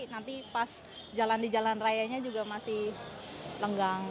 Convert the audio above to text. nanti pas jalan di jalan rayanya juga masih lenggang